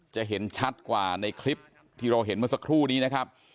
จะเห็นชัดกว่าในคลิปที่เราเห็นเมื่อสักครู่นี้นะครับ